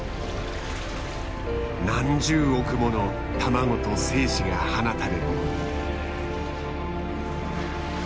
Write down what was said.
何十億もの卵と精子が放たれる。